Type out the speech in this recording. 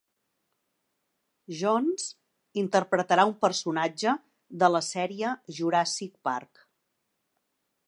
Jones interpretarà un personatge de la sèrie "Jurassic Park".